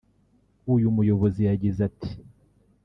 uyu muyobozi yagize ati